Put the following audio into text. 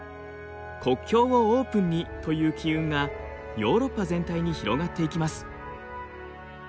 「国境をオープンに」という機運がヨーロッパ全体に広がっていきます。